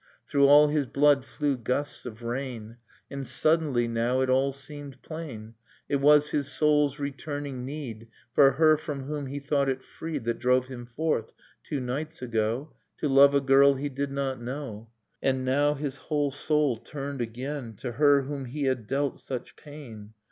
... Through all his blood flew gusts of rain .. And suddenly now it all seemed plain : It was his soul's returning need For her from whom he thought it freed. That drove him forth, two nights ago. To love a girl he did not know ; And now his whole soul turned again To her whom he had dealt such pain